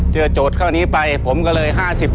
โจทย์ข้อนี้ไปผมก็เลย๕๐